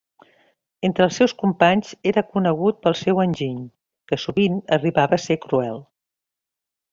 Entre els seus companys era conegut pel seu enginy, que sovint arribava a ser cruel.